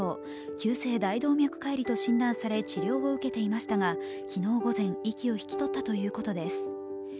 急性大動脈解離と診断され、治療を受けていましたが、昨日午前、息を引き取ったということです。